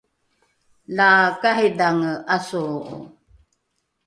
la karidhange ’asolro’o